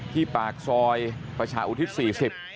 ปากซอยประชาอุทิศ๔๐